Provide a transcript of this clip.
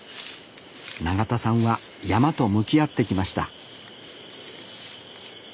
永田さんは山と向き合ってきました